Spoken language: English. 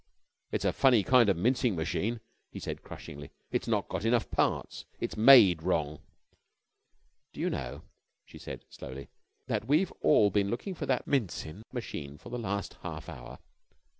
"It's a funny kind of mincing machine," he said, crushingly. "It's not got enough parts. It's made wrong " "Do you know," she said, slowly, "that we've all been looking for that mincin' machine for the last half hour?"